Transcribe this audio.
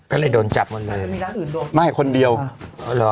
อ่ะอือเลยโดนจับหมดเลยอ่ะไม่ได้คนเดียวอ๋อเหรอ